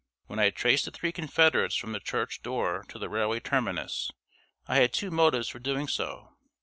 When I traced the three confederates from the church door to the railway terminus, I had two motives for doing so.